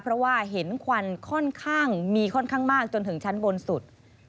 เพราะว่าเห็นควันค่อนข้างมีค่อนข้างมากจนถึงชั้นบนสุด